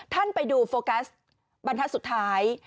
ท่านไปดูโฟกัสบรรทัศน์สุดท้าย